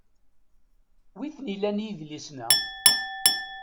Wi t-nilan yedlisen-a?